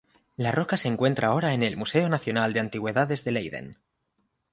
La roca se encuentra ahora en el Museo Nacional de Antigüedades de Leiden.